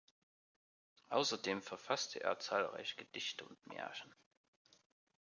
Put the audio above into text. Außerdem verfasste er zahlreiche Gedichte und Märchen.